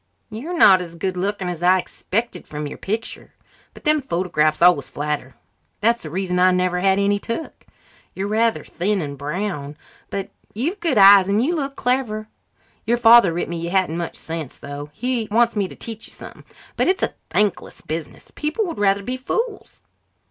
"You're not as good looking as I expected from your picture, but them photographs always flatter. That's the reason I never had any took. You're rather thin and brown. But you've good eyes and you look clever. Your father writ me you hadn't much sense, though. He wants me to teach you some, but it's a thankless business. People would rather be fools."